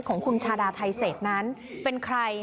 ของคุณชาดาไทเศษนั้นเป็นใคร